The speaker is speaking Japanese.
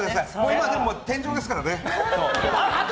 今、天井ですからね。